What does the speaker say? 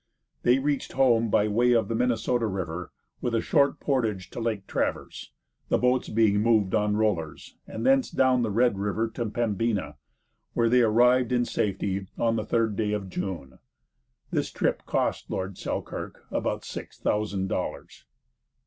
They reached home by way of the Minnesota river, with a short portage to Lake Traverse, the boats being moved on rollers, and thence down the Red River to Pembina, where they arrived in safety on the third day of June. This trip cost Lord Selkirk about six thousand dollars.